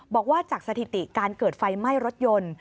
บอกว่าจากสถิติการเกิดไฟไหม้รถยนต์